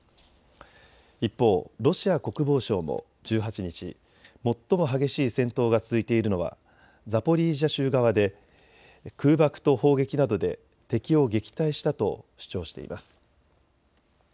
一方、ロシア国防省も１８日、最も激しい戦闘が続いているのはザポリージャ州側で空爆と砲撃などで敵を撃退したと主張しています。